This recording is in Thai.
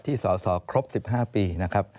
ที่สสครบ๑๕ปีนะครับ